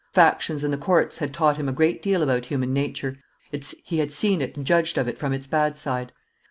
Factions and the court had taught him a great deal about human nature; he had seen it and judged of it from its bad side.